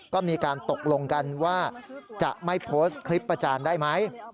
ก็มีการตกลงกันว่าจะไม่โพสต์คลิปประจานได้ไหม